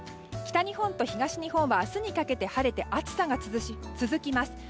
北日本と東日本は明日にかけて晴れて暑さが続きます。